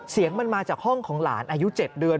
เสียงมันมาจากห้องของหลานอายุ๗เดือน